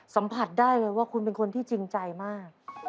สัมผัสได้เลยว่าคุณเป็นคนที่จริงใจมาก